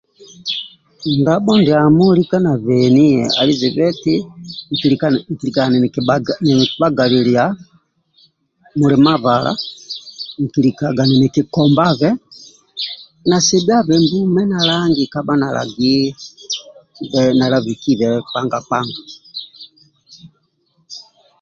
Ka dabho ndiamo lika nabheni Ali zibheti nkilika niki bhagalilia mulima bhala nki likaga ni kikobhabhe na sighabhe mbume na lagi nala bhikibhe khaga khaga